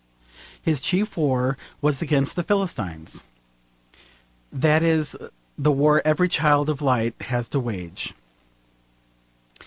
His chief war was against the Philistines. That is the war every child of light has to wage.